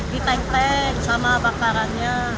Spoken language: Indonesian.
diteng teng sama bakarannya